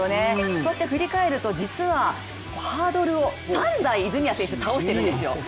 そして振り返ると実はハードルを３台、泉谷選手、倒しているんですよ。